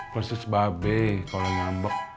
persis babe kalau ngambek